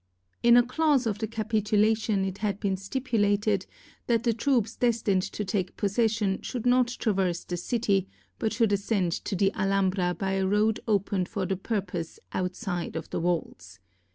In a clause of the capitulation it had been stipulated that the troops des tined to take possession should not traverse the city, but should ascend to the Alhambra by a road opened for the purpose outside of the walls.